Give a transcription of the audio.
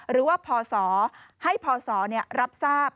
หรือว่าพศให้พศรับทราบ